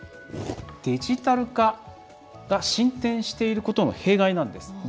デジタル化が進展していることの弊害なんです。